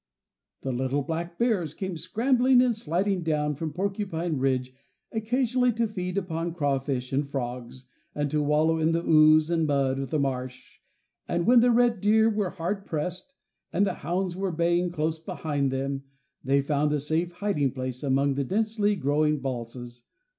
The little black bears came scrambling and sliding down from Porcupine Ridge occasionally to feed upon crawfish and frogs, and to wallow in the ooze and mud of the marsh, and when the red deer were hard pressed, and the hounds were baying close behind them, they found a safe hiding place among the densely growing balsams.